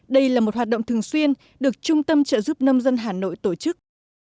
đây là một hoạt động thường xuyên được trung tâm trợ giúp nông dân hà nội tổ chức